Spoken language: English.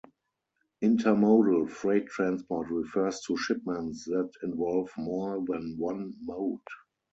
Intermodal freight transport refers to shipments that involve more than one mode.